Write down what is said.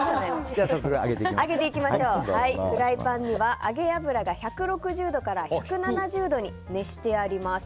フライパンには揚げ油が１６０度から１７０度に熱してあります。